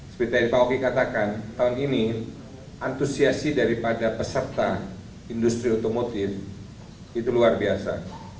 seperti yang pak oki katakan tahun ini antusiasi daripada peserta industri otomotif itu luar biasa